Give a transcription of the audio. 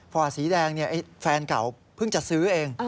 ฟอร์ดสีแดงเนี่ยแฟนเก่าเพิ่งจะซื้อเอง